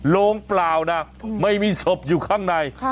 โรงเปล่านะไม่มีศพอยู่ข้างใน